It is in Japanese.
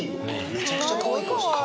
めちゃくちゃかわいい顔してる。